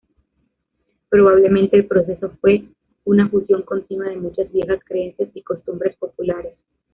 Probablemente el proceso fue una fusión continua de muchas viejas creencias y costumbres populares.